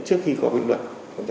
trước khi có huyện luận